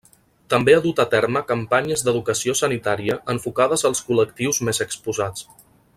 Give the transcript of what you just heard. També ha dut a terme campanyes d'educació sanitària enfocades als col·lectius més exposats.